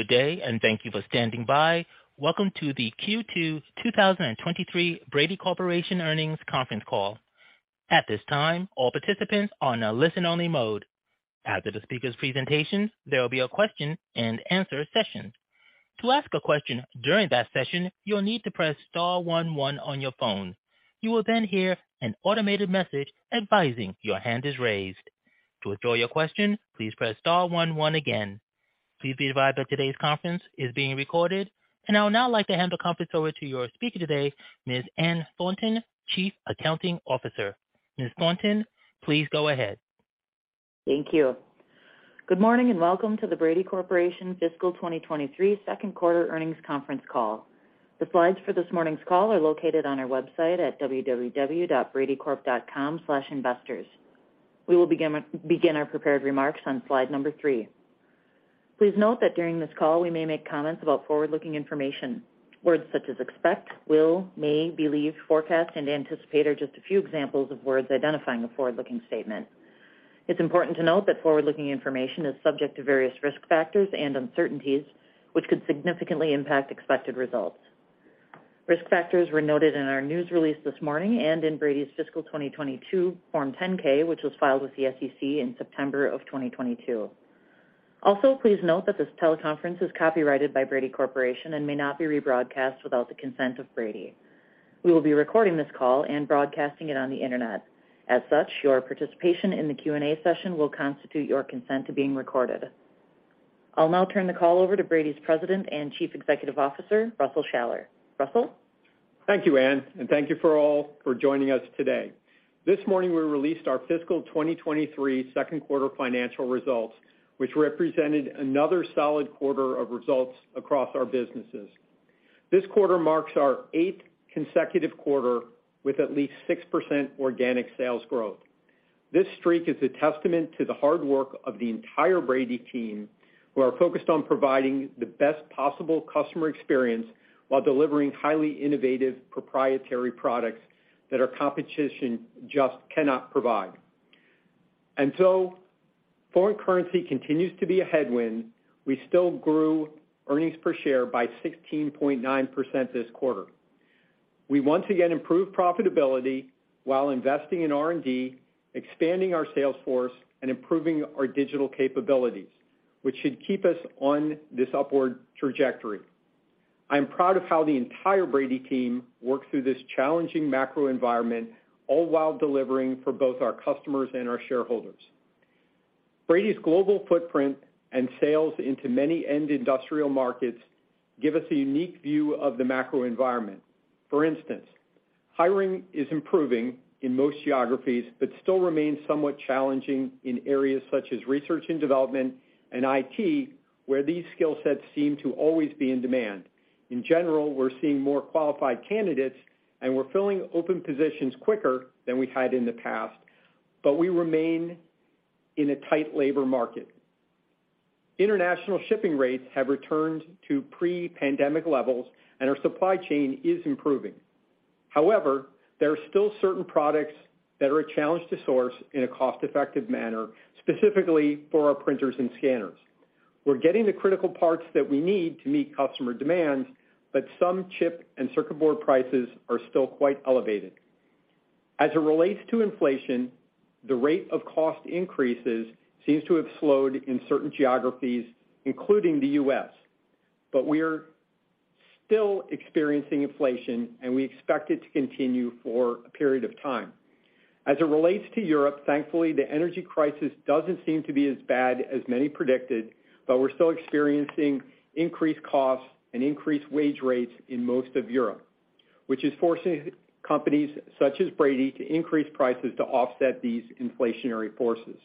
Good day. Thank you for standing by. Welcome to the Q2 2023 Brady Corporation earnings conference call. At this time, all participants are on a listen-only mode. After the speaker's presentations, there will be a question and answer session. To ask a question during that session, you'll need to press star one one on your phone. You will then hear an automated message advising your hand is raised. To withdraw your question, please press star one one again. Please be advised that today's conference is being recorded. I would now like to hand the conference over to your speaker today, Ms. Ann Thornton, Chief Accounting Officer. Ms. Thornton, please go ahead. Thank you. Good morning. Welcome to the Brady Corporation Fiscal 2023 second quarter earnings conference call. The slides for this morning's call are located on our website at www.bradycorp.com/investors. We will begin our prepared remarks on slide number three. Please note that during this call, we may make comments about forward-looking information. Words such as expect, will, may, believe, forecast, and anticipate are just a few examples of words identifying a forward-looking statement. It's important to note that forward-looking information is subject to various risk factors and uncertainties, which could significantly impact expected results. Risk factors were noted in our news release this morning and in Brady's fiscal 2022 Form 10-K, which was filed with the SEC in September of 2022. Please note that this teleconference is copyrighted by Brady Corporation and may not be rebroadcast without the consent of Brady. We will be recording this call and broadcasting it on the Internet. As such, your participation in the Q&A session will constitute your consent to being recorded. I'll now turn the call over to Brady's President and Chief Executive Officer, Russell Shaller. Russell? Thank you, Ann, thank you for all for joining us today. This morning, we released our fiscal 2023 second quarter financial results, which represented another solid quarter of results across our businesses. This quarter marks our eighth consecutive quarter with at least 6% organic sales growth. This streak is a testament to the hard work of the entire Brady team, who are focused on providing the best possible customer experience while delivering highly innovative proprietary products that our competition just cannot provide. Foreign currency continues to be a headwind. We still grew earnings per share by 16.9% this quarter. We once again improved profitability while investing in R&D, expanding our sales force, and improving our digital capabilities, which should keep us on this upward trajectory. I am proud of how the entire Brady team worked through this challenging macro environment, all while delivering for both our customers and our shareholders. Brady's global footprint and sales into many end industrial markets give us a unique view of the macro environment. For instance, hiring is improving in most geographies, but still remains somewhat challenging in areas such as research and development and IT, where these skill sets seem to always be in demand. In general, we're seeing more qualified candidates, and we're filling open positions quicker than we had in the past, but we remain in a tight labor market. International shipping rates have returned to pre-pandemic levels, and our supply chain is improving. There are still certain products that are a challenge to source in a cost-effective manner, specifically for our printers and scanners. We're getting the critical parts that we need to meet customer demands, but some chip and circuit board prices are still quite elevated. As it relates to inflation, the rate of cost increases seems to have slowed in certain geographies, including the U.S. We are still experiencing inflation, and we expect it to continue for a period of time. As it relates to Europe, thankfully, the energy crisis doesn't seem to be as bad as many predicted, but we're still experiencing increased costs and increased wage rates in most of Europe, which is forcing companies such as Brady to increase prices to offset these inflationary forces.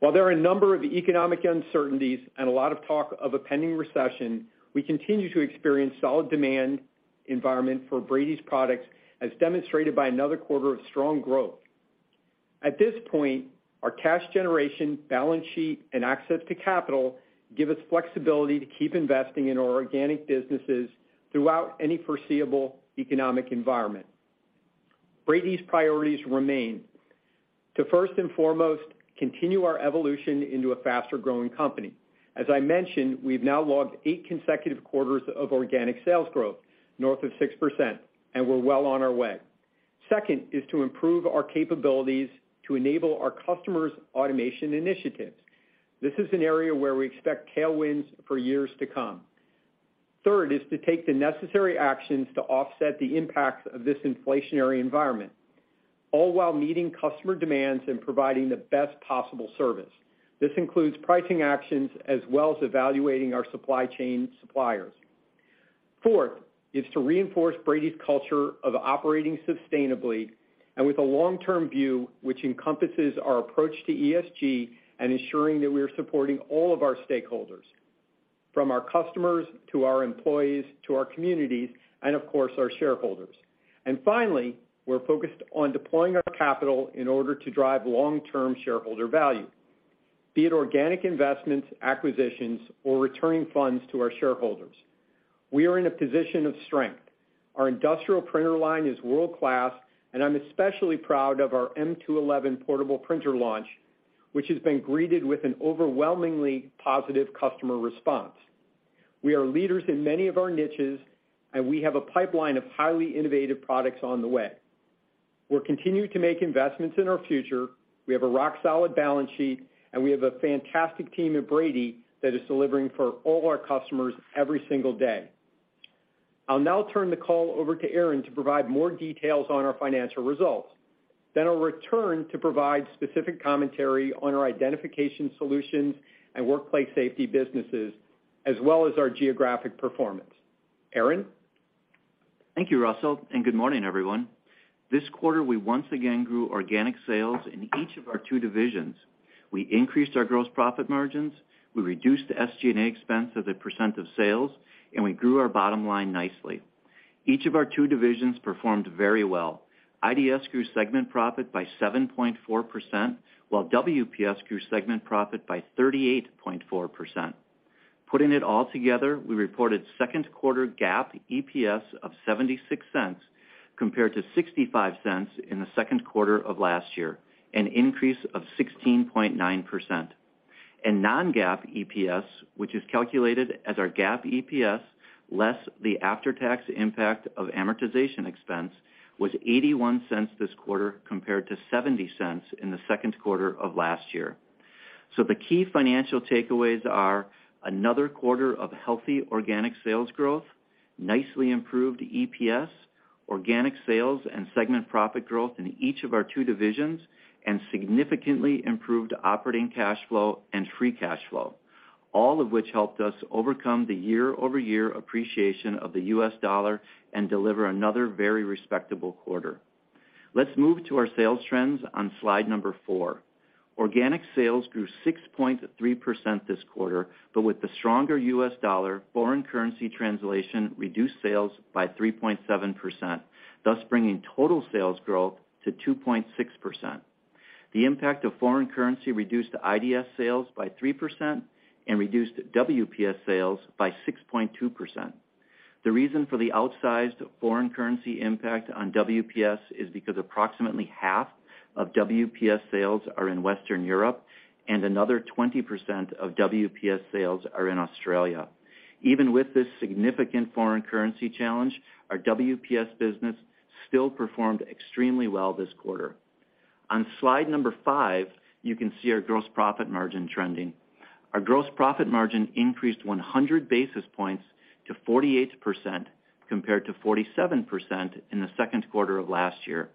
While there are a number of economic uncertainties and a lot of talk of a pending recession, we continue to experience solid demand environment for Brady's products, as demonstrated by another quarter of strong growth. At this point, our cash generation, balance sheet, and access to capital give us flexibility to keep investing in our organic businesses throughout any foreseeable economic environment. Brady's priorities remain to first and foremost, continue our evolution into a faster-growing company. As I mentioned, we've now logged eight consecutive quarters of organic sales growth, north of 6%, and we're well on our way. Second is to improve our capabilities to enable our customers' automation initiatives. This is an area where we expect tailwinds for years to come. Third is to take the necessary actions to offset the impacts of this inflationary environment, all while meeting customer demands and providing the best possible service. This includes pricing actions as well as evaluating our supply chain suppliers. Fourth is to reinforce Brady's culture of operating sustainably and with a long-term view, which encompasses our approach to ESG and ensuring that we are supporting all of our stakeholders, from our customers to our employees, to our communities, of course, our shareholders. Finally, we're focused on deploying our capital in order to drive long-term shareholder value, be it organic investments, acquisitions, or returning funds to our shareholders. We are in a position of strength. Our industrial printer line is world-class, I'm especially proud of our M211 Portable printer launch, which has been greeted with an overwhelmingly positive customer response. We are leaders in many of our niches, we have a pipeline of highly innovative products on the way. We're continuing to make investments in our future. We have a rock-solid balance sheet, and we have a fantastic team at Brady that is delivering for all our customers every single day. I'll now turn the call over to Aaron to provide more details on our financial results. I'll return to provide specific commentary on our Identification Solutions and Workplace Safety businesses, as well as our geographic performance. Aaron? Thank you, Russell, and good morning, everyone. This quarter, we once again grew organic sales in each of our two divisions. We increased our gross profit margins, we reduced the SG&A expense as a percent of sales, and we grew our bottom line nicely. Each of our two divisions performed very well. IDS grew segment profit by 7.4%, while WPS grew segment profit by 38.4%. Putting it all together, we reported second quarter GAAP EPS of $0.76 compared to $0.65 in the second quarter of last year, an increase of 16.9%. In non-GAAP EPS, which is calculated as our GAAP EPS less the after-tax impact of amortization expense, was $0.81 this quarter compared to $0.70 in the second quarter of last year. The key financial takeaways are another quarter of healthy organic sales growth, nicely improved EPS, organic sales and segment profit growth in each of our two divisions, and significantly improved operating cash flow and free cash flow, all of which helped us overcome the year-over-year appreciation of the US dollar and deliver another very respectable quarter. Let's move to our sales trends on slide four. Organic sales grew 6.3% this quarter, but with the stronger US dollar, foreign currency translation reduced sales by 3.7%, thus bringing total sales growth to 2.6%. The impact of foreign currency reduced IDS sales by 3% and reduced WPS sales by 6.2%. The reason for the outsized foreign currency impact on WPS is because approximately half of WPS sales are in Western Europe, and another 20% of WPS sales are in Australia. Even with this significant foreign currency challenge, our WPS business still performed extremely well this quarter. On slide number five you can see our gross profit margin trending. Our gross profit margin increased 100 basis points to 48% compared to 47% in the second quarter of last year.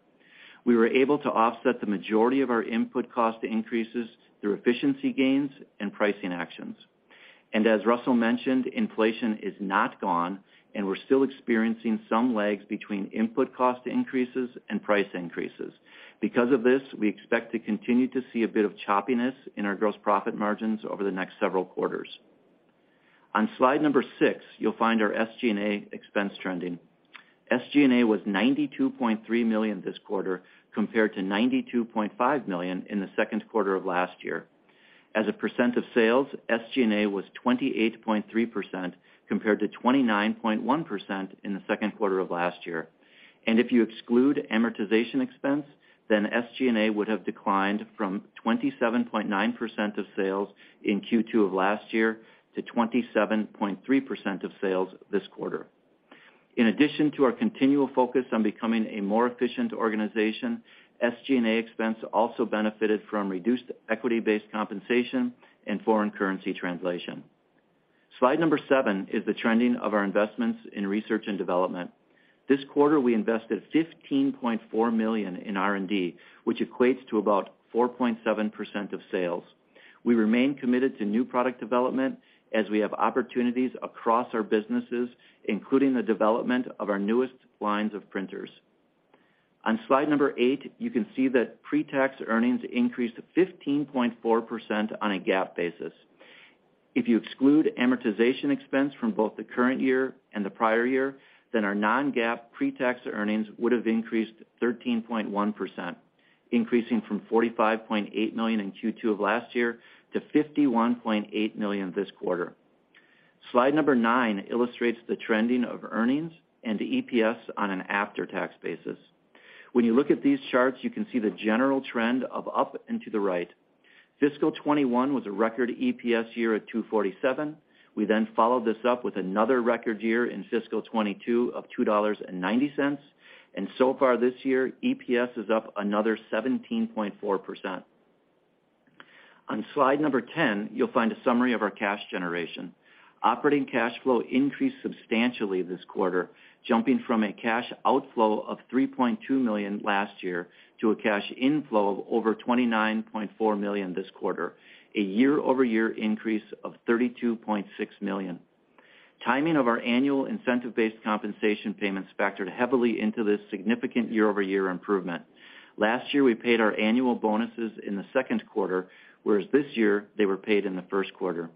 We were able to offset the majority of our input cost increases through efficiency gains and pricing actions. As Russell mentioned, inflation is not gone, and we're still experiencing some lags between input cost increases and price increases. Because of this, we expect to continue to see a bit of choppiness in our gross profit margins over the next several quarters. On slide number six, you'll find our SG&A expense trending. SG&A was $92.3 million this quarter, compared to $92.5 million in the second quarter of last year. As a percent of sales, SG&A was 28.3%, compared to 29.1% in the second quarter of last year. If you exclude amortization expense, then SG&A would have declined from 27.9% of sales in Q2 of last year to 27.3% of sales this quarter. In addition to our continual focus on becoming a more efficient organization, SG&A expense also benefited from reduced equity-based compensation and foreign currency translation. Slide number seven is the trending of our investments in research and development. This quarter, we invested $15.4 million in R&D, which equates to about 4.7% of sales. We remain committed to new product development as we have opportunities across our businesses, including the development of our newest lines of printers. On slide number eight, you can see that pre-tax earnings increased 15.4% on a GAAP basis. If you exclude amortization expense from both the current year and the prior year, then our non-GAAP pre-tax earnings would have increased 13.1%, increasing from $45.8 million in Q2 of last year to $51.8 million this quarter. Slide number nine illustrates the trending of earnings and EPS on an after-tax basis. When you look at these charts, you can see the general trend of up and to the right. Fiscal 2021 was a record EPS year at $2.47. We then followed this up with another record year in fiscal 2022 of $2.90. So far this year, EPS is up another 17.4%. On slide number 10, you'll find a summary of our cash generation. Operating cash flow increased substantially this quarter, jumping from a cash outflow of $3.2 million last year to a cash inflow of over $29.4 million this quarter, a year-over-year increase of $32.6 million. Timing of our annual incentive-based compensation payments factored heavily into this significant year-over-year improvement. Last year, we paid our annual bonuses in the second quarter, whereas this year they were paid in the first quarter.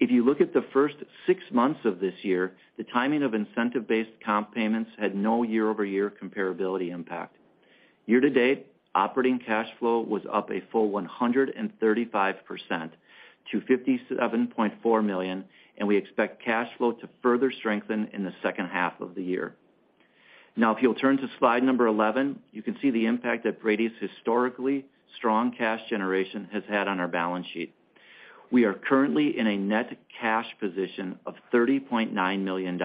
If you look at the first six months of this year, the timing of incentive-based comp payments had no year-over-year comparability impact. Year-to-date, operating cash flow was up a full 135% to $57.4 million, and we expect cash flow to further strengthen in the second half of the year. If you'll turn to slide 11, you can see the impact that Brady's historically strong cash generation has had on our balance sheet. We are currently in a net cash position of $30.9 million.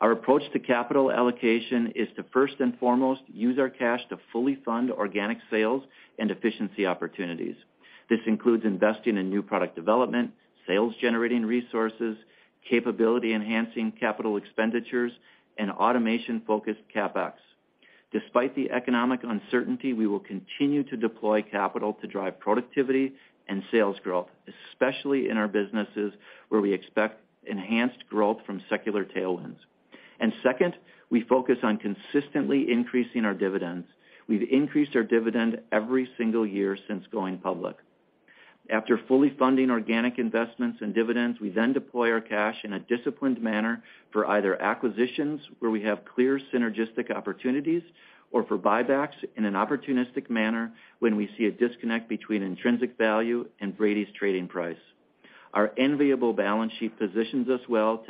Our approach to capital allocation is to first and foremost use our cash to fully fund organic sales and efficiency opportunities. This includes investing in new product development, sales-generating resources, capability-enhancing capital expenditures, and automation-focused CapEx. Despite the economic uncertainty, we will continue to deploy capital to drive productivity and sales growth, especially in our businesses where we expect enhanced growth from secular tailwinds. Second, we focus on consistently increasing our dividends. We've increased our dividend every single year since going public. After fully funding organic investments and dividends, we then deploy our cash in a disciplined manner for either acquisitions where we have clear synergistic opportunities or for buybacks in an opportunistic manner when we see a disconnect between intrinsic value and Brady's trading price. Our enviable balance sheet positions us well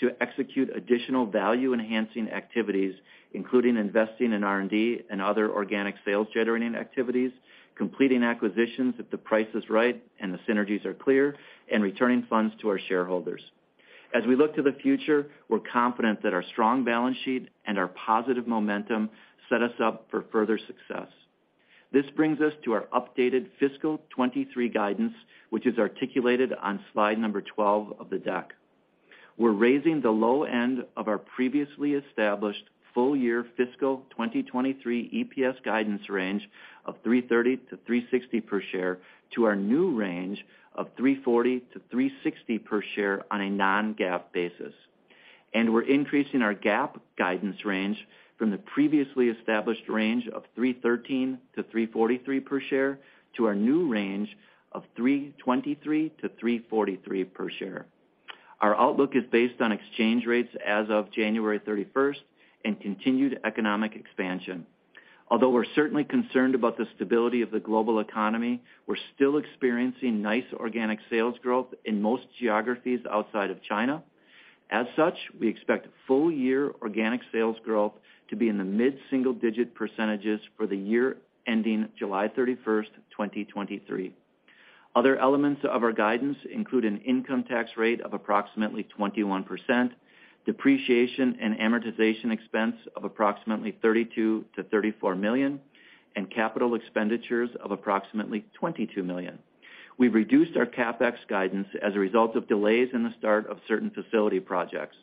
to execute additional value-enhancing activities, including investing in R&D and other organic sales-generating activities, completing acquisitions if the price is right and the synergies are clear, and returning funds to our shareholders. As we look to the future, we're confident that our strong balance sheet and our positive momentum set us up for further success. This brings us to our updated fiscal 2023 guidance, which is articulated on slide number 12 of the deck. We're raising the low end of our previously established full year fiscal 2023 EPS guidance range of $3.30-$3.60 per share to our new range of $3.40-$3.60 per share on a non-GAAP basis. We're increasing our GAAP guidance range from the previously established range of $3.13-$3.43 per share to our new range of $3.23-$3.43 per share. Our outlook is based on exchange rates as of January 31st and continued economic expansion. Although we're certainly concerned about the stability of the global economy, we're still experiencing nice organic sales growth in most geographies outside of China. As such, we expect full year organic sales growth to be in the mid-single digit percentages for the year ending July 31st, 2023. Other elements of our guidance include an income tax rate of approximately 21%, depreciation and amortization expense of approximately $32 million-$34 million, and capital expenditures of approximately $22 million. We've reduced our CapEx guidance as a result of delays in the start of certain facility projects.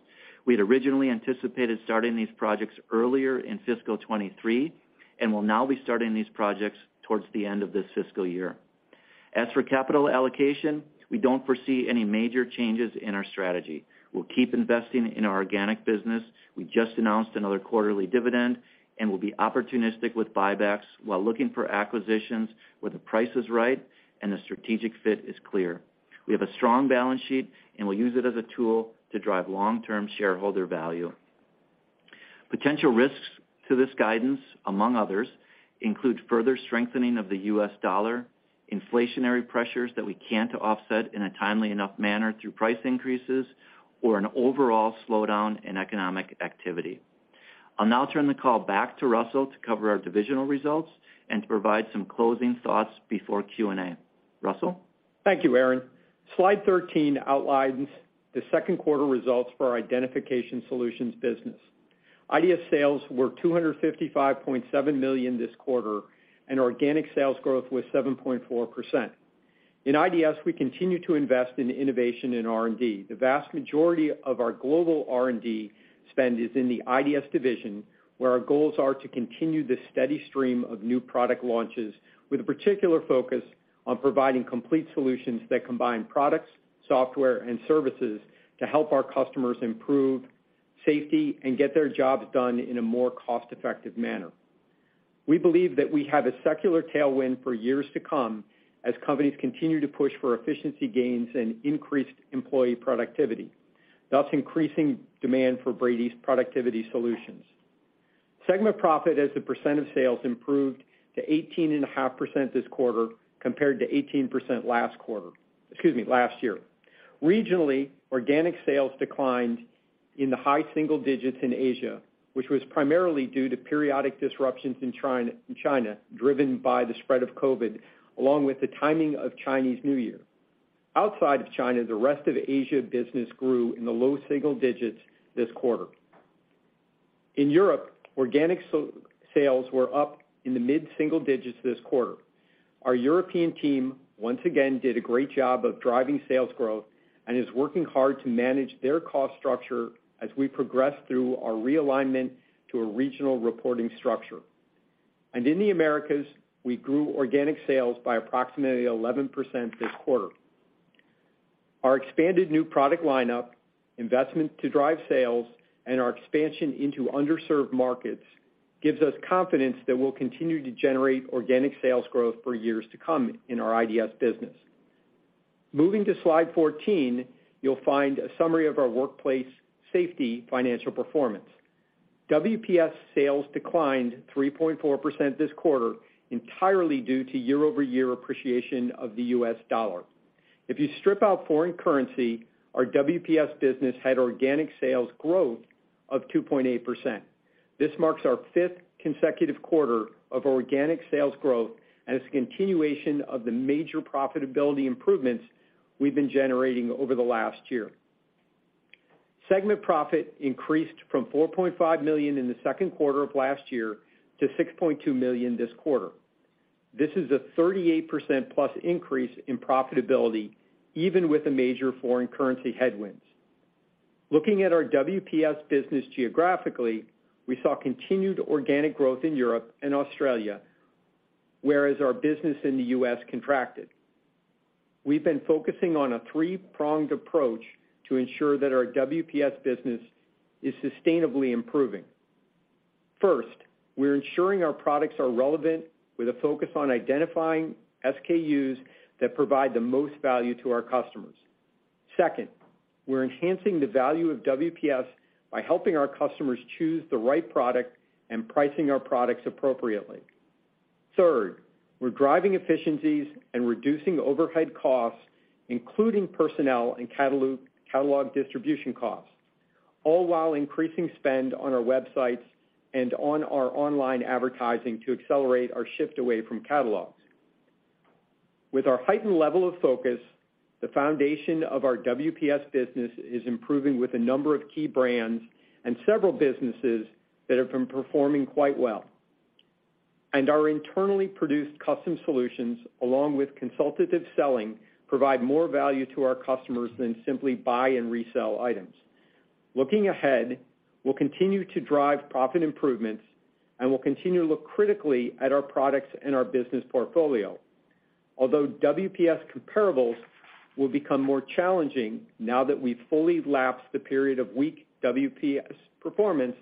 We had originally anticipated starting these projects earlier in fiscal 2023, and we'll now be starting these projects towards the end of this fiscal year. As for capital allocation, we don't foresee any major changes in our strategy. We'll keep investing in our organic business. We just announced another quarterly dividend, and we'll be opportunistic with buybacks while looking for acquisitions where the price is right and the strategic fit is clear. We have a strong balance sheet, and we'll use it as a tool to drive long-term shareholder value. Potential risks to this guidance, among others, include further strengthening of the US dollar, inflationary pressures that we can't offset in a timely enough manner through price increases, or an overall slowdown in economic activity. I'll now turn the call back to Russell to cover our divisional results and to provide some closing thoughts before Q&A. Russell? Thank you, Aaron. Slide 13 outlines the second quarter results for our Identification Solutions business. IDS sales were $255.7 million this quarter, and organic sales growth was 7.4%. In IDS, we continue to invest in innovation in R&D. The vast majority of our global R&D spend is in the IDS division, where our goals are to continue the steady stream of new product launches with a particular focus on providing complete solutions that combine products, software, and services to help our customers improve safety and get their jobs done in a more cost-effective manner. We believe that we have a secular tailwind for years to come as companies continue to push for efficiency gains and increased employee productivity, thus increasing demand for Brady's productivity solutions. Segment profit as a percent of sales improved to 18.5% this quarter compared to 18% last year. Regionally, organic sales declined in the high single digits in Asia, which was primarily due to periodic disruptions in China, driven by the spread of COVID, along with the timing of Chinese New Year. Outside of China, the rest of Asia business grew in the low single digits this quarter. In Europe, organic sales were up in the mid-single digits this quarter. Our European team, once again, did a great job of driving sales growth and is working hard to manage their cost structure as we progress through our realignment to a regional reporting structure. In the Americas, we grew organic sales by approximately 11% this quarter. Our expanded new product lineup, investment to drive sales, and our expansion into underserved markets gives us confidence that we'll continue to generate organic sales growth for years to come in our IDS business. Moving to slide 14, you'll find a summary of our Workplace Safety financial performance. WPS sales declined 3.4% this quarter entirely due to year-over-year appreciation of the US dollar. If you strip out foreign currency, our WPS business had organic sales growth of 2.8%. This marks our 5th consecutive quarter of organic sales growth and is a continuation of the major profitability improvements we've been generating over the last year. Segment profit increased from $4.5 million in the second quarter of last year to $6.2 million this quarter. This is a 38%+ increase in profitability, even with the major foreign currency headwinds. Looking at our WPS business geographically, we saw continued organic growth in Europe and Australia, whereas our business in the US contracted. We've been focusing on a three-pronged approach to ensure that our WPS business is sustainably improving. First, we're ensuring our products are relevant with a focus on identifying SKUs that provide the most value to our customers. Second, we're enhancing the value of WPS by helping our customers choose the right product and pricing our products appropriately. Third, we're driving efficiencies and reducing overhead costs, including personnel and catalog distribution costs, all while increasing spend on our websites and on our online advertising to accelerate our shift away from catalogs. With our heightened level of focus, the foundation of our WPS business is improving with a number of key brands and several businesses that have been performing quite well. Our internally produced custom solutions, along with consultative selling, provide more value to our customers than simply buy and resell items. Looking ahead, we'll continue to drive profit improvements, and we'll continue to look critically at our products and our business portfolio. Although WPS comparables will become more challenging now that we've fully lapsed the period of weak WPS performance,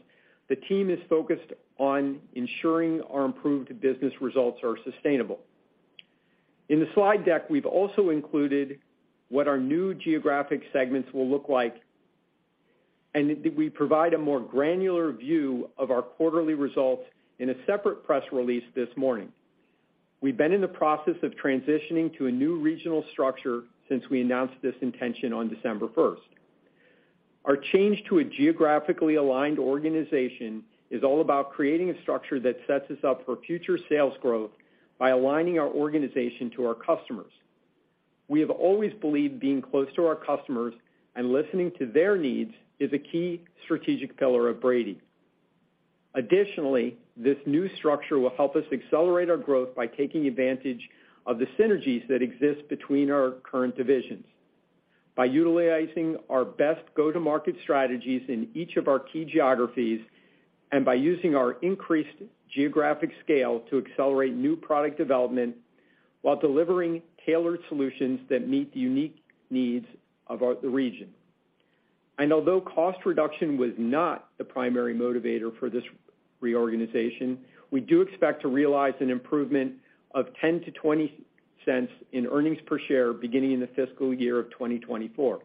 the team is focused on ensuring our improved business results are sustainable. In the slide deck, we've also included what our new geographic segments will look like, and we provide a more granular view of our quarterly results in a separate press release this morning. We've been in the process of transitioning to a new regional structure since we announced this intention on December 1st. Our change to a geographically aligned organization is all about creating a structure that sets us up for future sales growth by aligning our organization to our customers. We have always believed being close to our customers and listening to their needs is a key strategic pillar of Brady. Additionally, this new structure will help us accelerate our growth by taking advantage of the synergies that exist between our current divisions, by utilizing our best go-to-market strategies in each of our key geographies, and by using our increased geographic scale to accelerate new product development while delivering tailored solutions that meet the unique needs of the region. Although cost reduction was not the primary motivator for this reorganization, we do expect to realize an improvement of $0.10-$0.20 in earnings per share beginning in the fiscal year of 2024.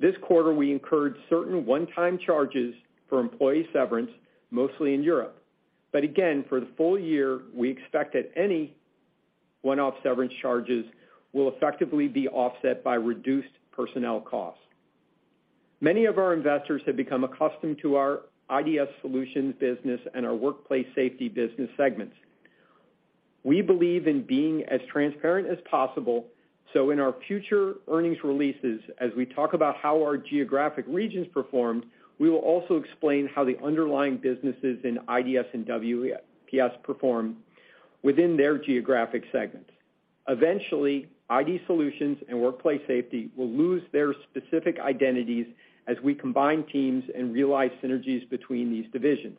This quarter, we incurred certain one-time charges for employee severance, mostly in Europe. Again, for the full year, we expect that any one-off severance charges will effectively be offset by reduced personnel costs. Many of our investors have become accustomed to our IDS solutions business and our Workplace Safety business segments. We believe in being as transparent as possible, so in our future earnings releases, as we talk about how our geographic regions performed, we will also explain how the underlying businesses in IDS and WPS perform within their geographic segments. Eventually, ID solutions and Workplace Safety will lose their specific identities as we combine teams and realize synergies between these divisions.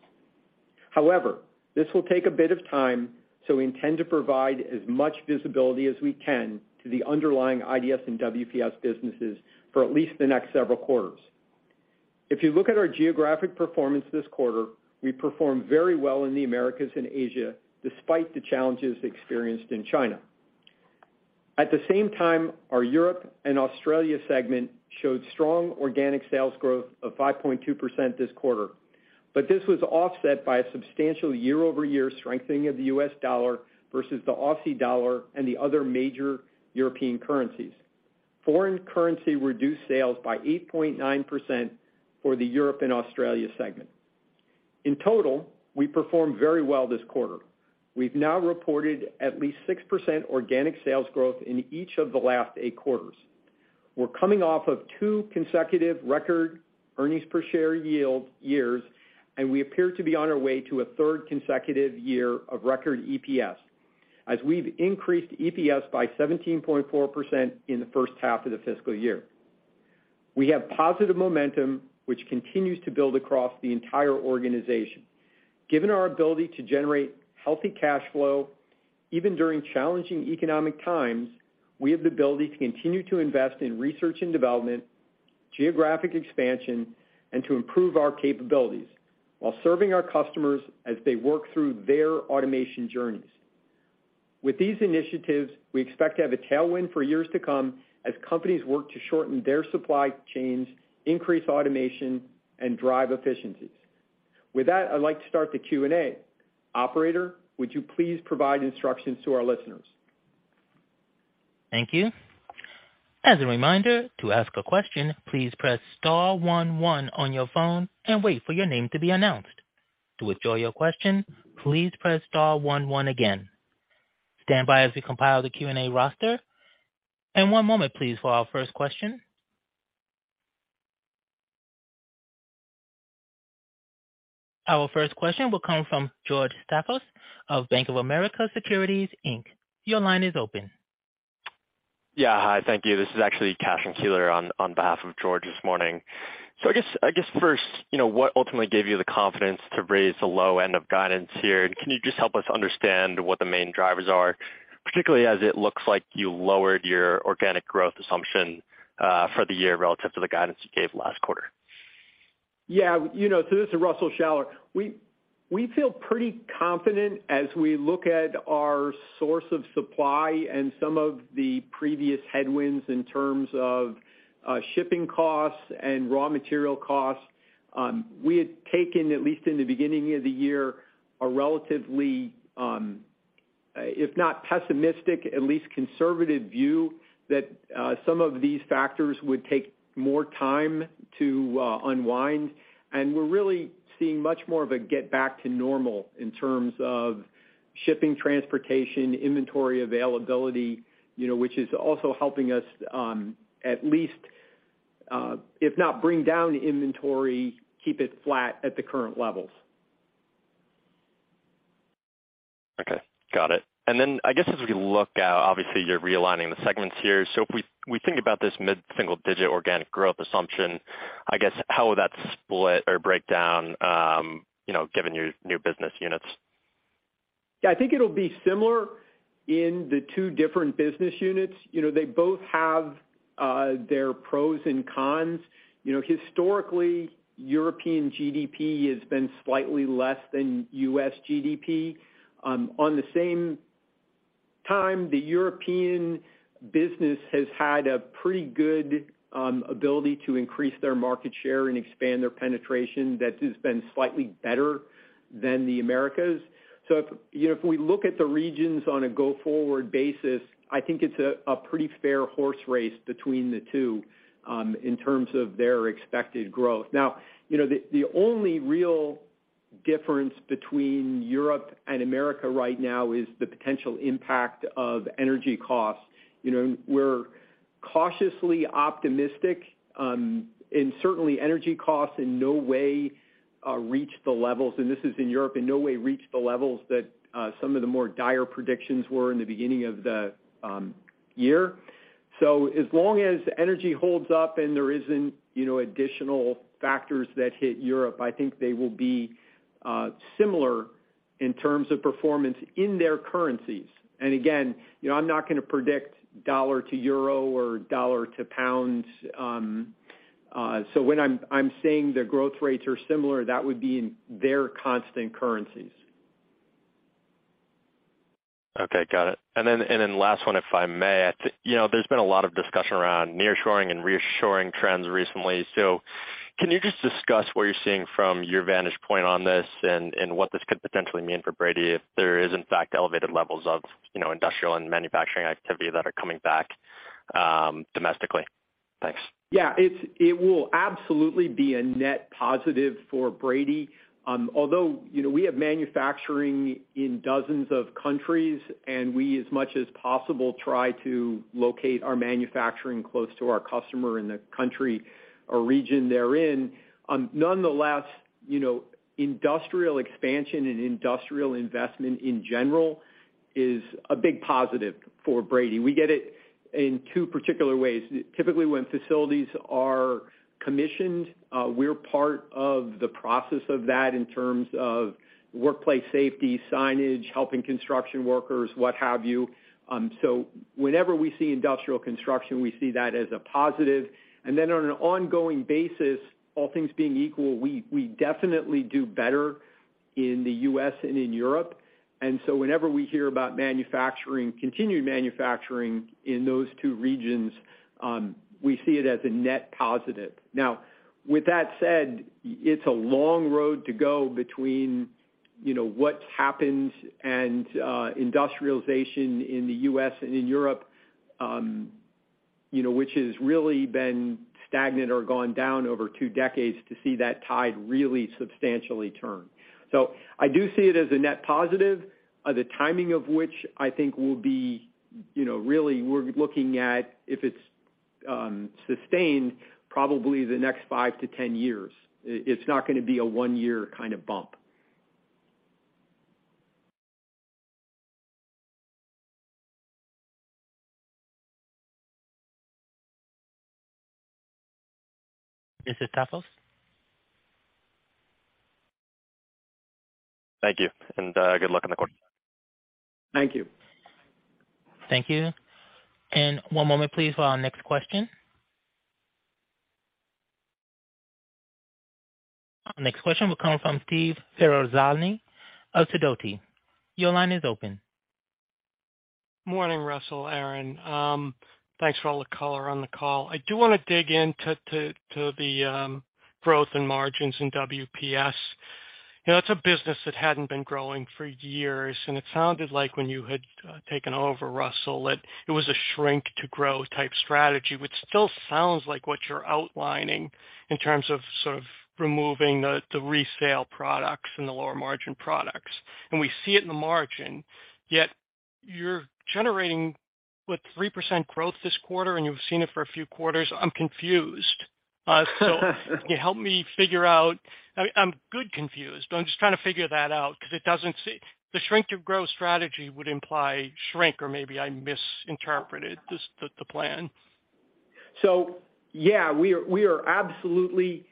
This will take a bit of time, so we intend to provide as much visibility as we can to the underlying IDS and WPS businesses for at least the next several quarters. If you look at our geographic performance this quarter, we performed very well in the Americas and Asia despite the challenges experienced in China. At the same time, our Europe and Australia segment showed strong organic sales growth of 5.2% this quarter. This was offset by a substantial year-over-year strengthening of the US dollar versus the Aussie dollar and the other major European currencies. Foreign currency reduced sales by 8.9% for the Europe and Australia segment. In total, we performed very well this quarter. We've now reported at least 6% organic sales growth in each of the last eight quarters. We're coming off of two consecutive record earnings per share yield years. We appear to be on our way to a third consecutive year of record EPS as we've increased EPS by 17.4% in the first half of the fiscal year. We have positive momentum, which continues to build across the entire organization. Given our ability to generate healthy cash flow, even during challenging economic times, we have the ability to continue to invest in research and development. Geographic expansion and to improve our capabilities while serving our customers as they work through their automation journeys. With these initiatives, we expect to have a tailwind for years to come as companies work to shorten their supply chains, increase automation, and drive efficiencies. With that, I'd like to start the Q&A. Operator, would you please provide instructions to our listeners? Thank you. As a reminder, to ask a question, please press star one one on your phone and wait for your name to be announced. To withdraw your question, please press star one one again. Stand by as we compile the Q&A roster. One moment please for our first question. Our first question will come from George Staphos of Bank of America Securities Inc. Your line is open. Yeah. Hi. Thank you. This is actually Cashen Keeler on behalf of George this morning. I guess first, you know, what ultimately gave you the confidence to raise the low end of guidance here? Can you just help us understand what the main drivers are, particularly as it looks like you lowered your organic growth assumption for the year relative to the guidance you gave last quarter? You know, this is Russell Shaller. We feel pretty confident as we look at our source of supply and some of the previous headwinds in terms of shipping costs and raw material costs. We had taken, at least in the beginning of the year, a relatively, if not pessimistic, at least conservative view that some of these factors would take more time to unwind. We're really seeing much more of a get back to normal in terms of shipping, transportation, inventory availability, you know, which is also helping us, at least, if not bring down inventory, keep it flat at the current levels. Okay. Got it. I guess as we look out, obviously you're realigning the segments here. If we think about this mid-single digit organic growth assumption, I guess how would that split or break down, you know, given your new business units? Yeah, I think it'll be similar in the two different business units. You know, they both have their pros and cons. You know, historically, European GDP has been slightly less than U.S. GDP. On the same time, the European business has had a pretty good ability to increase their market share and expand their penetration that has been slightly better than the Americas. If, you know, if we look at the regions on a go-forward basis, I think it's a pretty fair horse race between the two in terms of their expected growth. Now, you know, the only real difference between Europe and America right now is the potential impact of energy costs. You know, and we're cautiously optimistic, and certainly energy costs in no way reached the levels, and this is in Europe, in no way reached the levels that some of the more dire predictions were in the beginning of the year. As long as energy holds up and there isn't, you know, additional factors that hit Europe, I think they will be similar in terms of performance in their currencies. Again, you know, I'm not gonna predict dollar to euro or dollar to pounds, so when I'm saying the growth rates are similar, that would be in their constant currencies. Okay. Got it. Then last one, if I may. you know, there's been a lot of discussion around nearshoring and reshoring trends recently. Can you just discuss what you're seeing from your vantage point on this and what this could potentially mean for Brady if there is in fact elevated levels of, you know, industrial and manufacturing activity that are coming back domestically? Thanks. Yeah. It will absolutely be a net positive for Brady. Although, you know, we have manufacturing in dozens of countries, and we as much as possible try to locate our manufacturing close to our customer in the country or region they're in. Nonetheless, you know, industrial expansion and industrial investment in general is a big positive for Brady. We get it in two particular ways. Typically, when facilities are commissioned, we're part of the process of that in terms of workplace safety, signage, helping construction workers, what have you. Whenever we see industrial construction, we see that as a positive. On an ongoing basis, all things being equal, we definitely do better in the US and in Europe. Whenever we hear about manufacturing, continued manufacturing in those two regions, we see it as a net positive. With that said, it's a long road to go between, you know, what's happened and industrialization in the U.S. and in Europe, you know, which has really been stagnant or gone down over two decades to see that tide really substantially turn. I do see it as a net positive, the timing of which I think will be, you know, really we're looking at if it's sustained probably the next 5-10 years. It's not gonna be a one-year kind of bump. Mr. Staphos? Thank you, and good luck on the quarter. Thank you. Thank you. One moment please for our next question. Our next question will come from Steve Ferazani of Sidoti. Your line is open. Morning, Russell, Aaron. Thanks for all the color on the call. I do wanna dig into the growth and margins in WPS. You know, it's a business that hadn't been growing for years, and it sounded like when you had taken over Russell, that it was a shrink to grow type strategy, which still sounds like what you're outlining in terms of sort of removing the resale products and the lower margin products. We see it in the margin, yet you're generating, what, 3% growth this quarter, and you've seen it for a few quarters. I'm confused. Can you help me figure out... I'm good confused, but I'm just trying to figure that out because it doesn't see... The shrink to grow strategy would imply shrink or maybe I misinterpreted this, the plan. Yeah, we are absolutely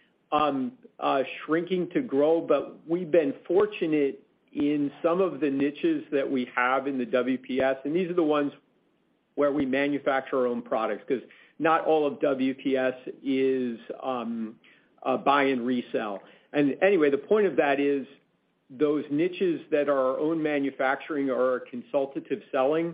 shrinking to grow, but we've been fortunate in some of the niches that we have in the WPS. These are the ones where we manufacture our own products 'cause not all of WPS is buy and resell. Anyway, the point of that is those niches that are our own manufacturing or our consultative selling,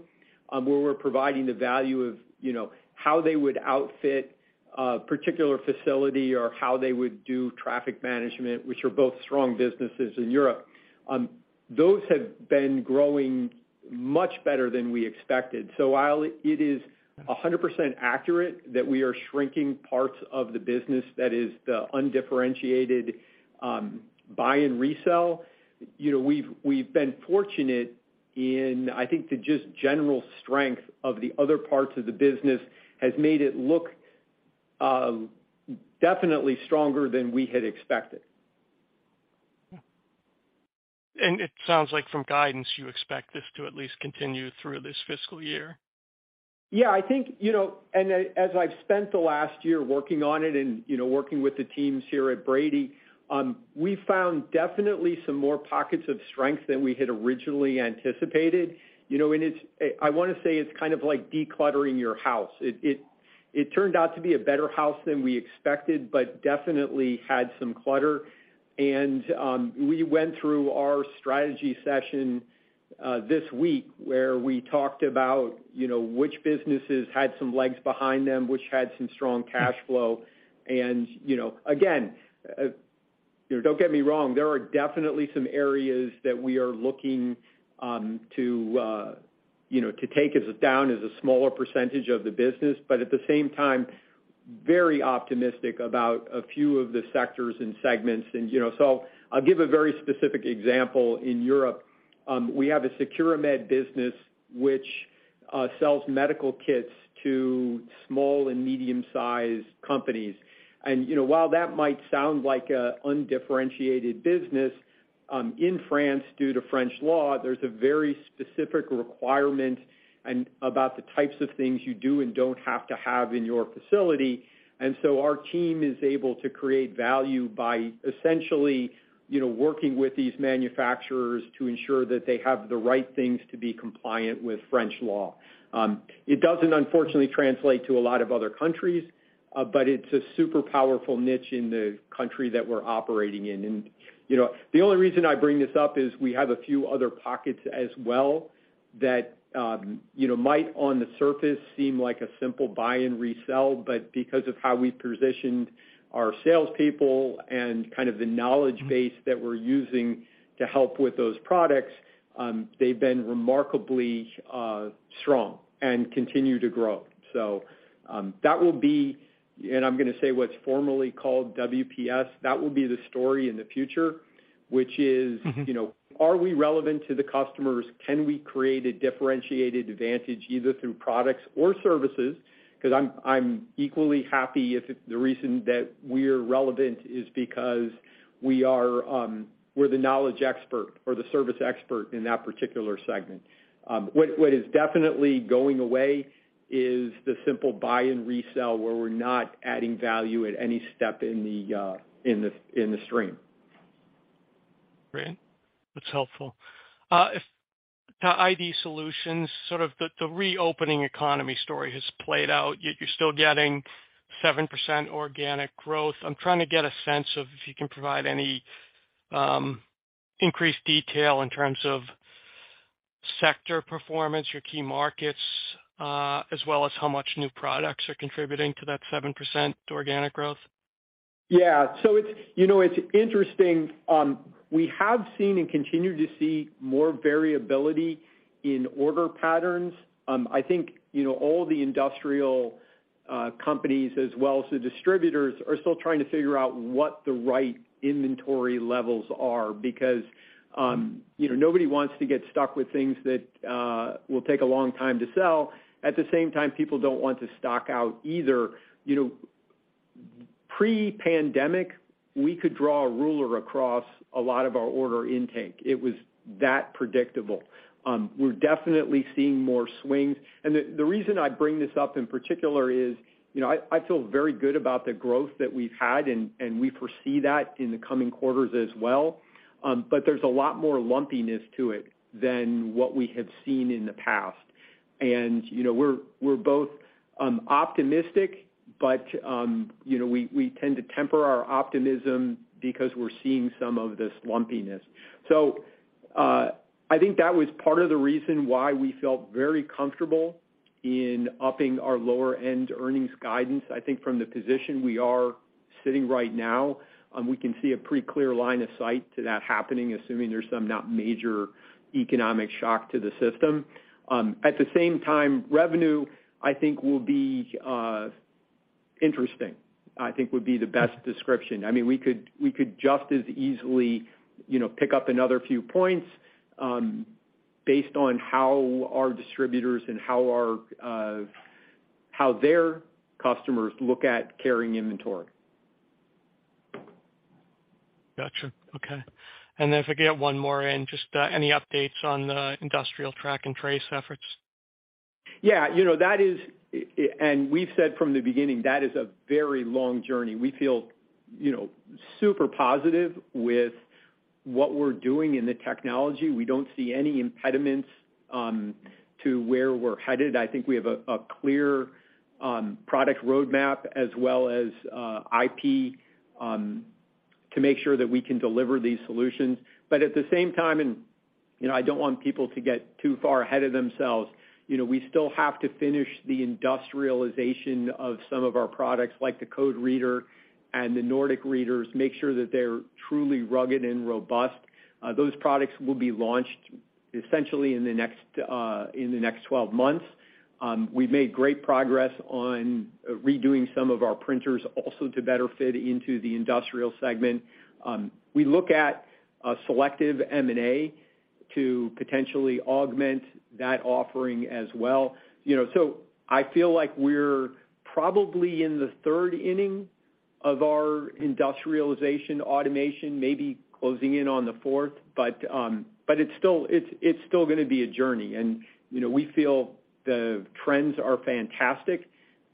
where we're providing the value of, you know, how they would outfit a particular facility or how they would do traffic management, which are both strong businesses in Europe. Those have been growing much better than we expected. While it is 100% accurate that we are shrinking parts of the business that is the undifferentiated, buy and resell, you know, we've been fortunate in, I think, the just general strength of the other parts of the business has made it look, definitely stronger than we had expected. It sounds like from guidance you expect this to at least continue through this fiscal year. Yeah. I think, you know. As I've spent the last year working on it and, you know, working with the teams here at Brady, we found definitely some more pockets of strength than we had originally anticipated. You know, it's, I wanna say it's kind of like decluttering your house. It turned out to be a better house than we expected, but definitely had some clutter. We went through our strategy session this week where we talked about, you know, which businesses had some legs behind them, which had some strong cash flow. You know, again, you know, don't get me wrong, there are definitely some areas that we are looking to, you know, take us down as a smaller percentage of the business, but at the same time, very optimistic about a few of the sectors and segments. You know, so I'll give a very specific example. In Europe, we have a Securimed business which sells medical kits to small and medium-sized companies. You know, while that might sound like a undifferentiated business, in France, due to French law, there's a very specific requirement and about the types of things you do and don't have to have in your facility. Our team is able to create value by essentially, you know, working with these manufacturers to ensure that they have the right things to be compliant with French law. It doesn't unfortunately translate to a lot of other countries, but it's a super powerful niche in the country that we're operating in. You know, the only reason I bring this up is we have a few other pockets as well that, you know, might on the surface seem like a simple buy and resell, but because of how we've positioned our salespeople and kind of the knowledge base that we're using to help with those products, they've been remarkably, strong and continue to grow. That will be... I'm gonna say what's formerly called WPS, that will be the story in the future, which is. Mm-hmm. You know, are we relevant to the customers? Can we create a differentiated advantage either through products or services? 'Cause I'm equally happy if the reason that we're relevant is because we are, we're the knowledge expert or the service expert in that particular segment. What is definitely going away is the simple buy and resell, where we're not adding value at any step in the stream. Great. That's helpful. To ID Solutions, sort of the reopening economy story has played out, yet you're still getting 7% organic growth. I'm trying to get a sense of if you can provide any increased detail in terms of sector performance, your key markets, as well as how much new products are contributing to that 7% organic growth. Yeah. It's, you know, it's interesting. We have seen and continue to see more variability in order patterns. I think, you know, all the industrial companies as well as the distributors are still trying to figure out what the right inventory levels are because, you know, nobody wants to get stuck with things that will take a long time to sell. At the same time, people don't want to stock out either. You know, pre-pandemic, we could draw a ruler across a lot of our order intake. It was that predictable. We're definitely seeing more swings. The reason I bring this up in particular is, you know, I feel very good about the growth that we've had, and we foresee that in the coming quarters as well. There's a lot more lumpiness to it than what we have seen in the past. You know, we're both optimistic, but, you know, we tend to temper our optimism because we're seeing some of this lumpiness. I think that was part of the reason why we felt very comfortable in upping our lower-end earnings guidance. I think from the position we are sitting right now, we can see a pretty clear line of sight to that happening, assuming there's some not major economic shock to the system. At the same time, revenue, I think, will be interesting, I think, would be the best description. I mean, we could just as easily, you know, pick up another few points based on how our distributors and how our, how their customers look at carrying inventory. Gotcha. Okay. If I can get one more in. Just, any updates on the industrial track and trace efforts? Yeah. You know, that is. And we've said from the beginning, that is a very long journey. We feel, you know, super positive with what we're doing in the technology. We don't see any impediments to where we're headed. I think we have a clear product roadmap as well as IP to make sure that we can deliver these solutions. At the same time, and, you know, I don't want people to get too far ahead of themselves, you know, we still have to finish the industrialization of some of our products, like the Code reader and the Nordic readers, make sure that they're truly rugged and robust. Those products will be launched essentially in the next 12 months. We've made great progress on redoing some of our printers also to better fit into the industrial segment. We look at a selective M&A to potentially augment that offering as well. You know, I feel like we're probably in the third inning of our industrialization automation, maybe closing in on the fourth. It's still gonna be a journey. You know, we feel the trends are fantastic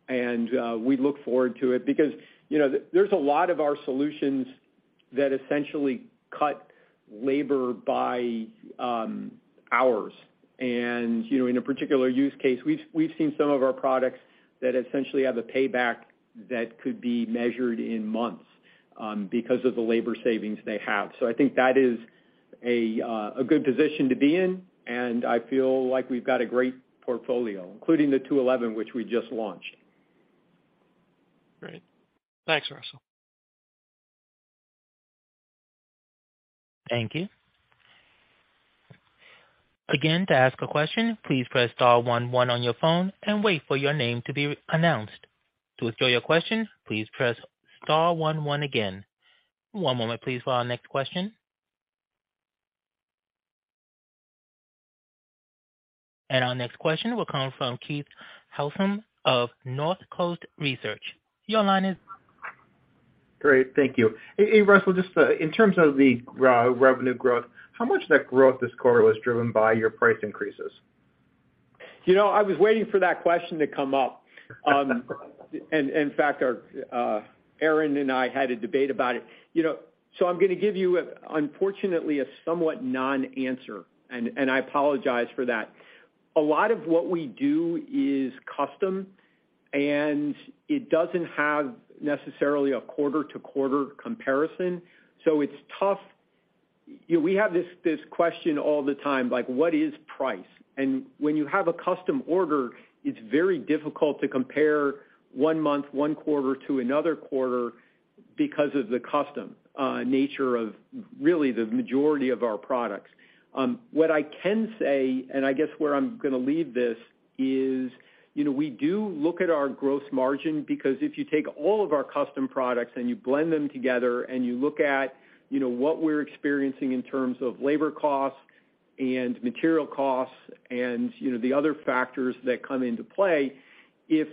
and we look forward to it because, you know, there's a lot of our solutions that essentially cut labor by hours. You know, in a particular use case, we've seen some of our products that essentially have a payback that could be measured in months because of the labor savings they have. I think that is a good position to be in, and I feel like we've got a great portfolio, including the M211, which we just launched. Great. Thanks, Russell. Thank you. Again, to ask a question, please press star one one on your phone and wait for your name to be announced. To withdraw your question, please press star one one again. One moment please for our next question. Our next question will come from Keith Housum of Northcoast Research. Your line is. Great, thank you. Hey, Russell, just, in terms of the revenue growth, how much of that growth this quarter was driven by your price increases? You know, I was waiting for that question to come up. In fact, Aaron and I had a debate about it. You know, I'm gonna give you, unfortunately, a somewhat non-answer, and I apologize for that. A lot of what we do is custom, and it doesn't have necessarily a quarter-to-quarter comparison, so it's tough. You know, we have this question all the time, like, what is price? When you have a custom order, it's very difficult to compare one month, one quarter to another quarter because of the custom nature of really the majority of our products. What I can say, and I guess where I'm gonna leave this is, you know, we do look at our gross margin, because if you take all of our custom products and you blend them together and you look at, you know, what we're experiencing in terms of labor costs and material costs and, you know, the other factors that come into play, if,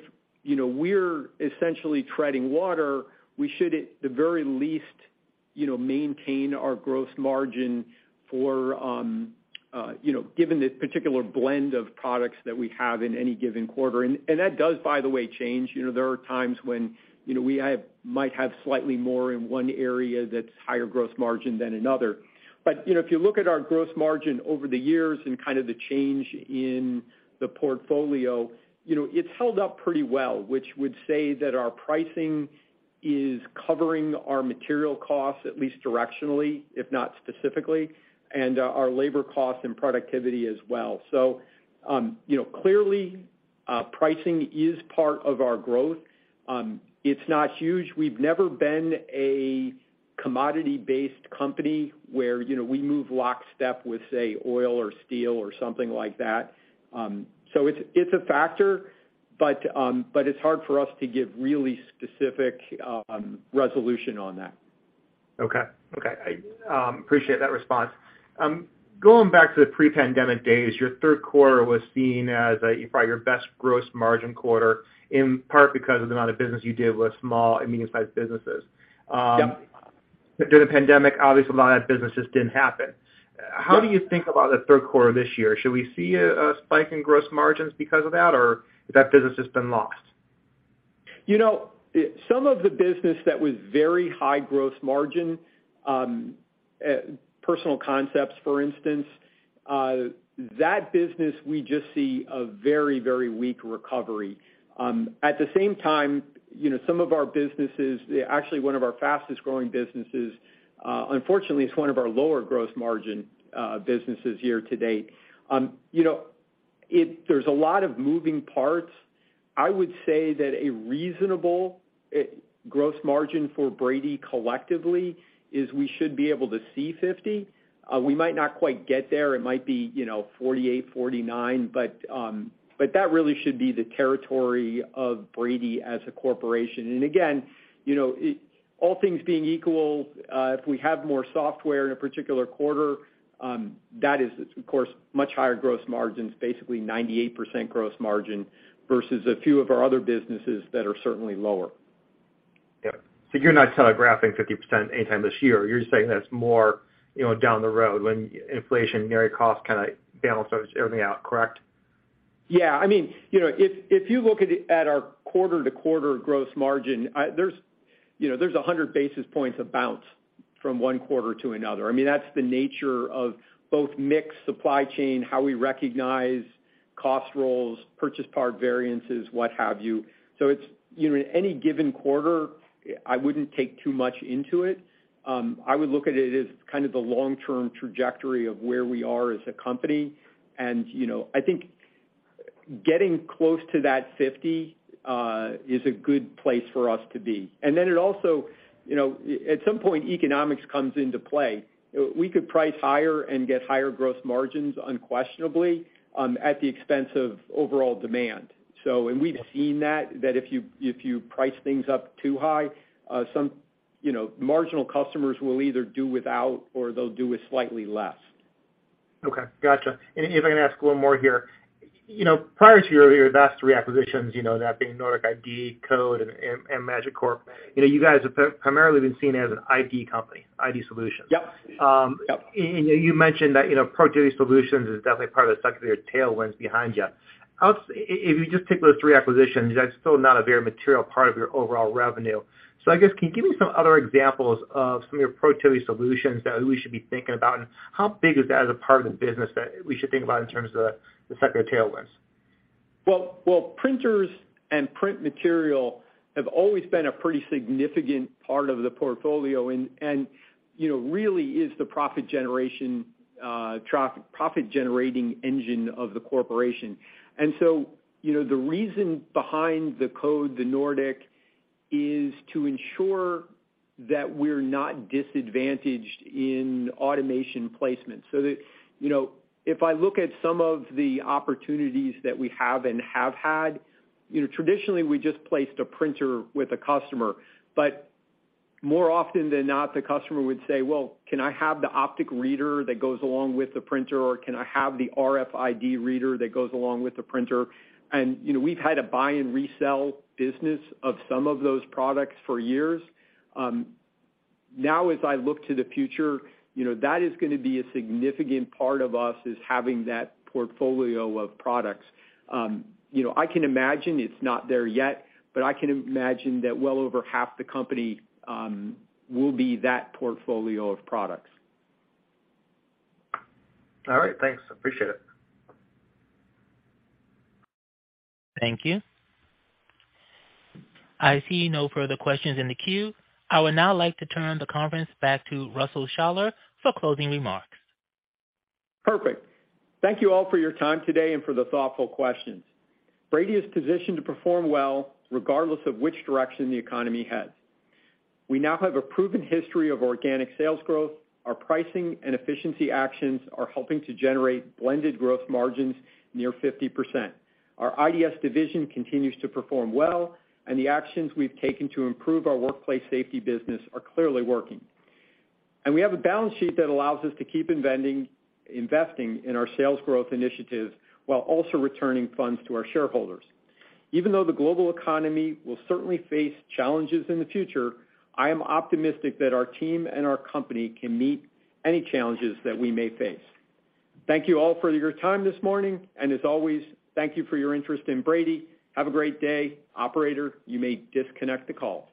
you know, we're essentially treading water, we should, at the very least, you know, maintain our gross margin for, you know, given the particular blend of products that we have in any given quarter. That does, by the way, change. You know, there are times when, you know, we might have slightly more in one area that's higher gross margin than another. You know, if you look at our gross margin over the years and kind of the change in the portfolio, you know, it's held up pretty well, which would say that our pricing is covering our material costs at least directionally, if not specifically, and our labor costs and productivity as well. You know, clearly, pricing is part of our growth. It's not huge. We've never been a commodity-based company where, you know, we move lockstep with, say, oil or steel or something like that. It's, it's a factor, but it's hard for us to give really specific resolution on that. Okay. Okay. appreciate that response. Going back to the pre-pandemic days, your third quarter was seen as, probably your best gross margin quarter, in part because of the amount of business you did with small and medium-sized businesses. Yep. During the pandemic, obviously a lot of that business just didn't happen. How do you think about the third quarter this year? Should we see a spike in gross margins because of that or has that business just been lost? You know, some of the business that was very high growth margin, Personnel Concepts, for instance, that business, we just see a very, very weak recovery. At the same time, you know, some of our businesses, actually one of our fastest-growing businesses, unfortunately, it's one of our lower gross margin businesses year-to-date. You know, there's a lot of moving parts. I would say that a reasonable gross margin for Brady collectively is we should be able to see 50%. We might not quite get there. It might be, you know, 48%, 49%, but that really should be the territory of Brady as a corporation. Again, you know, all things being equal, if we have more software in a particular quarter, that is, of course, much higher gross margins, basically 98% gross margin versus a few of our other businesses that are certainly lower. Yeah. You're not telegraphing 50% anytime this year. You're just saying that's more, you know, down the road when inflation, myriad costs kinda balance everything out, correct? Yeah. I mean, you know, if you look at our quarter-to-quarter gross margin, there's, you know, there's 100 basis points of bounce from one quarter to another. I mean, that's the nature of both mix, supply chain, how we recognize cost roles, purchase part variances, what have you. It's, you know, any given quarter, I wouldn't take too much into it. I would look at it as kind of the long-term trajectory of where we are as a company. You know, I think getting close to that 50 is a good place for us to be. It also, you know, at some point, economics comes into play. We could price higher and get higher growth margins unquestionably, at the expense of overall demand. We've seen that if you, if you price things up too high, some, you know, marginal customers will either do without or they'll do with slightly less. Okay. Gotcha. If I can ask a little more here. You know, prior to your last three acquisitions, you know, that being Nordic ID, Code, and Magicard, you know, you guys have primarily been seen as an ID company, ID solutions. Yep. You mentioned that, you know, productivity solutions is definitely part of the secular tailwinds behind you. If you just take those three acquisitions, that's still not a very material part of your overall revenue. I guess, can you give me some other examples of some of your productivity solutions that we should be thinking about, and how big is that as a part of the business that we should think about in terms of the secular tailwinds? Well, printers and print material have always been a pretty significant part of the portfolio and, you know, really is the profit generation, profit generating engine of the corporation. you know, the reason behind the Code, the Nordic, is to ensure that we're not disadvantaged in automation placement. you know, if I look at some of the opportunities that we have and have had, you know, traditionally, we just placed a printer with a customer. more often than not, the customer would say, "Well, can I have the optic reader that goes along with the printer," or, "Can I have the RFID reader that goes along with the printer?" you know, we've had a buy and resell business of some of those products for years. Now as I look to the future, you know, that is gonna be a significant part of us, is having that portfolio of products. You know, I can imagine it's not there yet, but I can imagine that well over half the company, will be that portfolio of products. All right. Thanks. Appreciate it. Thank you. I see no further questions in the queue. I would now like to turn the conference back to Russell Shaller for closing remarks. Perfect. Thank you all for your time today and for the thoughtful questions. Brady is positioned to perform well regardless of which direction the economy heads. We now have a proven history of organic sales growth. Our pricing and efficiency actions are helping to generate blended growth margins near 50%. Our IDS continues to perform well, and the actions we've taken to improve our Workplace Safety business are clearly working. We have a balance sheet that allows us to keep investing in our sales growth initiatives while also returning funds to our shareholders. Even though the global economy will certainly face challenges in the future, I am optimistic that our team and our company can meet any challenges that we may face. Thank you all for your time this morning, and as always, thank you for your interest in Brady. Have a great day. Operator, you may disconnect the call.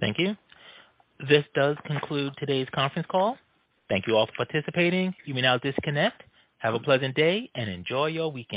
Thank you. This does conclude today's conference call. Thank you all for participating. You may now disconnect. Have a pleasant day and enjoy your weekend.